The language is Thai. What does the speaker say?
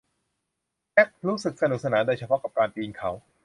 แจ็ครู้สึกสนุกสนานโดยเฉพาะกับการปีนเขา